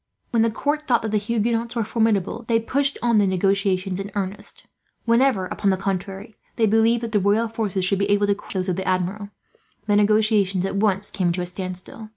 When the court thought that the Huguenots were formidable, they pushed on the negotiations in earnest. Whenever, upon the contrary, they believed that the royal forces would be able to crush those of the Admiral, the negotiations at once came to a standstill.